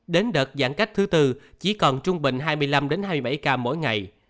đến đợt giãn cách thứ tư chỉ còn trung bình hai mươi năm hai mươi bảy ca mỗi ngày